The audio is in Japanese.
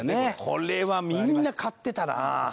これはみんな買ってたな。